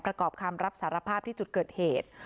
ประกอบคำรับสารภาพที่จุดเกิดเหตุ